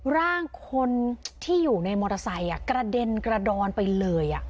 ร่างคนที่อยู่ในมอเตอร์ไซค์กระเด็นกระดอนไปเลย